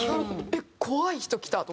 えっ怖い人来たと思って。